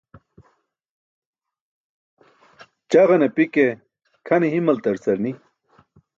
Ćaġan api ke kʰane himaltar car ni.